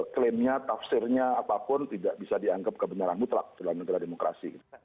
klaimnya tafsirnya apapun tidak bisa dianggap kebenaran mutlak dalam negara demokrasi